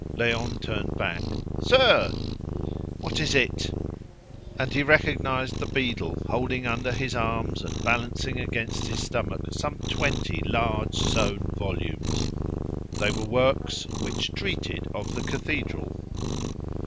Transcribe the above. Léon turned back. "Sir!" "What is it?" And he recognised the beadle, holding under his arms and balancing against his stomach some twenty large sewn volumes. They were works "which treated of the cathedral."